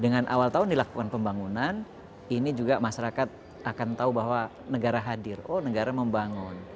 dengan awal tahun dilakukan pembangunan ini juga masyarakat akan tahu bahwa negara hadir oh negara membangun